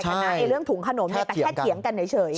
ใช่แค่เถียงกัน